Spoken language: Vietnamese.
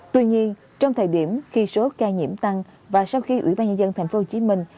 tuy nhiên trong thời điểm khi số ca nhiễm tăng và sau khi ủy ban nhân dân thành phố hồ chí minh